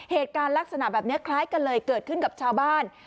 เหตุการณ์ลักษณะแบบนี้คล้ายกันเลยเกิดขึ้นกับชาวบ้าน